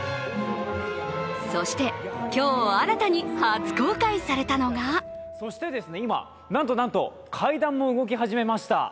そして、今日、新たに初公開されたのがそして今、なんとなんと階段も動き始めました。